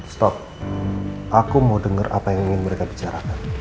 stop aku mau dengar apa yang ingin mereka bicarakan